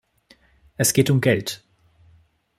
Es geht um Geld.